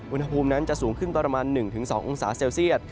อุณหภูมินั้นจะสูงขึ้นประมาณ๑๒องศาเซลเซียต